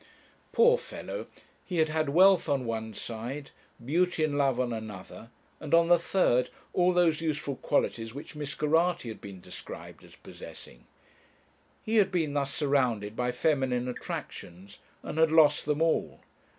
Poor fellow! he had had wealth on one side, beauty and love on another, and on the third all those useful qualities which Miss Geraghty has been described as possessing. He had been thus surrounded by feminine attractions, and had lost them all.